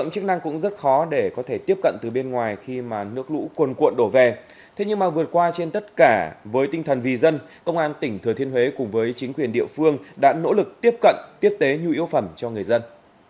tất cả với tinh thần vì dân công an tỉnh thừa thiên huế cùng với chính quyền địa phương đã nỗ lực tiếp cận tiếp tế nhu yếu phẩm cho người dân